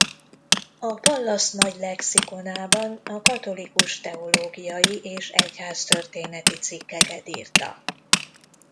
A Pallas Nagy Lexikonában a katolikus teológiai és egyháztörténeti cikkeket írta.